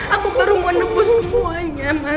aku baru mau nepu semuanya mas